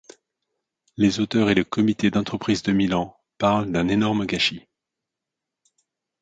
Les auteurs et le comité d'entreprise de Milan parlent d'un énorme gâchis.